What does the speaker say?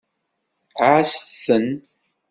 Ɛasset-ten.